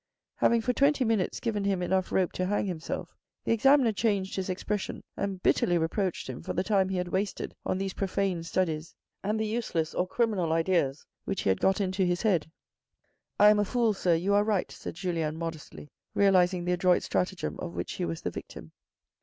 Having for twenty minutes given him enough rope to hang himself, the examiner changed his expression, and bitterly reproached him for the time he had wasted on these profane THE FIRST PROMOTION 207 studies, and the useless or criminal ideas which he had got into his head. " 1 am a fool, sir You are right," said Julien modestly, realising the adroit stratagem of which he was the victim.